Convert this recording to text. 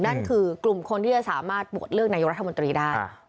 นั่นคือกลุ่มคนที่จะสามารถโหวตเลือกนายกรัฐมนตรีได้